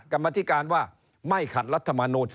กรรมธิการว่าไม่ขัดรัฐมนูล